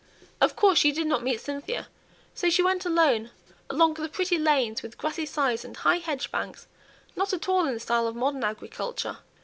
Of course she did not meet Cynthia, so she went alone along the pretty lanes, with grassy sides and high hedge banks not at all in the style of modern agriculture.